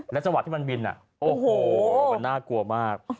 แล้วสวัสดิ์ที่มันบินน่ะโอ้โหมันน่ากลัวมาก